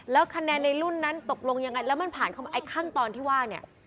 แล้วคะแนนในรุ่นนั้นตกลงยังไงแล้วมันผ่านเข้ามาไอ้ขั้นตอนที่ว่าเนี่ย